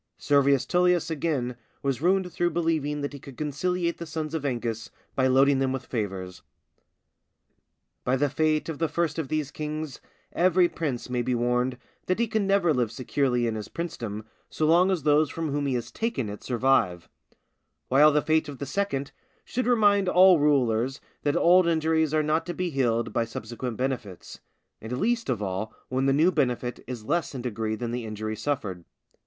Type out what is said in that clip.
Servius Tullius again, was ruined through believing that he could conciliate the sons of Ancus by loading them with favours. By the fate of the first of these kings every prince may be warned that he can never live securely in his princedom so long as those from whom he has taken it survive; while the fate of the second should remind all rulers that old injuries are not to be healed by subsequent benefits, and least of all when the new benefit is less in degree than the injury suffered.